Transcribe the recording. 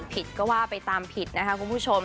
ผิดก็ว่าไปตามผิดนะคะคุณผู้ชม